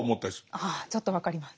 ああちょっと分かります。